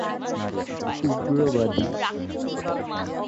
দলে তিনি মূলতঃ বোলারের ভূমিকায় পালন করতেন।